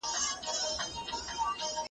خداے خبر، اجمل څه مساله راوړې وه